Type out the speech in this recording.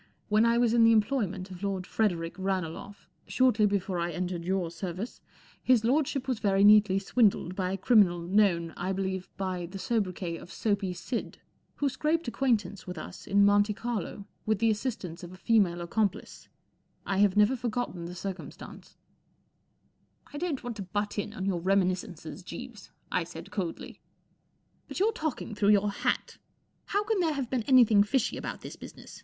When 1 was in the employment of Lord Frederick Ranelagh, shortly before I entered your service, his lordship was very neatly swindled by a criminal known, I believe, by the sobriquet of Soapy Sid, who scraped acquaintance with us in Monte Carlo with the assistance of a female accomplice, I have never forgotten the circumstance/' " I don't want to butt in on your reminis¬ cences, Jeeves/' I said, coldly, ,f but youYe talking through your hat* How can there have been anything fishy about this business